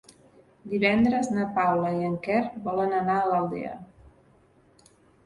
Divendres na Paula i en Quer volen anar a l'Aldea.